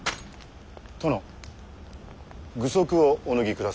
殿具足をお脱ぎくだされ。